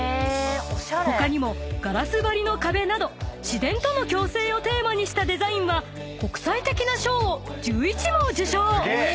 ［他にもガラス張りの壁など自然との共生をテーマにしたデザインは国際的な賞を１１も受賞！］